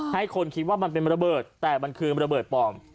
ให้คนคิดว่ามันเป็นระเบิดแต่มันคือระเบิดปลอม